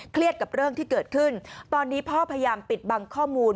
กับเรื่องที่เกิดขึ้นตอนนี้พ่อพยายามปิดบังข้อมูล